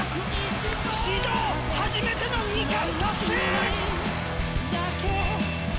史上初めての２冠達成！